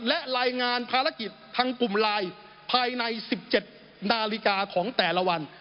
และรายงานภารกิจทางกลุ่มไลน์ภายใน๑๗นาฬิกาของแต่ละวัน